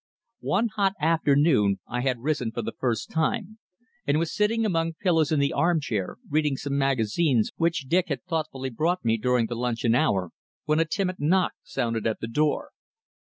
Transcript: One hot afternoon I had risen for the first time, and was sitting among pillows in the armchair reading some magazines which Dick had thoughtfully brought me during the luncheon hour, when a timid knock sounded at the door.